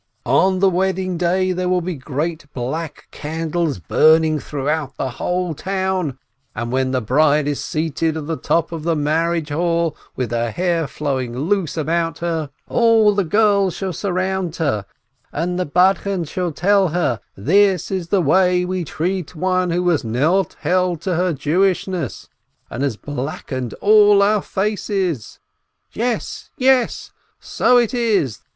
"On the wedding day there will be great black candles burning throughout the whole town, and when the bride is seated at the top of the marriage hall, with her hair flowing loose about her, all the girls shall surround her, and the Badchen shall tell her, 'This is the way we treat one who has not held to her Jewishness, and has blackened all our faces '" "Yes !" "Yes!" "So it is!"